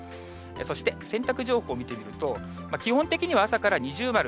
そして洗濯情報を見てみると、基本的には朝から二重丸。